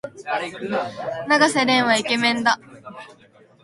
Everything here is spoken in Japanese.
永瀬廉はイケメンだ。